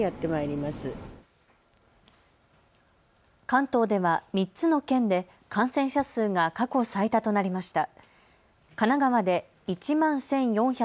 関東では３つの県で感染者数が過去最多となりました。